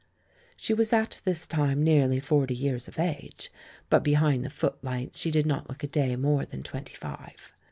She was at this time nearly forty years of age, but behind the footlights she did not look a day more than twenty five.